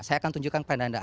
saya akan tunjukkan kepada anda